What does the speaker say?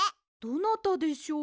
どなたでしょう？